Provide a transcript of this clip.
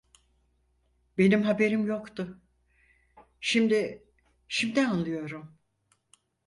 Benim haberim yoktu… Şimdi şimdi anlıyorum…